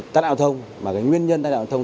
tắt ảo thông mà cái nguyên nhân tắt ảo thông